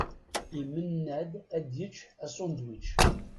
Imenna-d ad yečč asunedwič.